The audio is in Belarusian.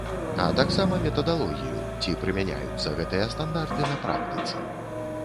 А таксама метадалогію, ці прымяняюцца гэтыя стандарты на практыцы.